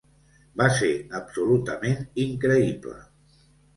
Va ser absolutament increïble.